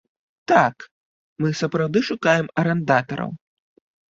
Так, мы сапраўды шукаем арандатараў.